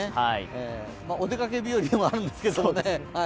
お出かけ日和でもあるんですけどね。